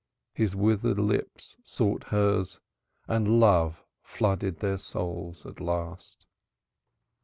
His withered lips sought hers and love flooded their souls at last.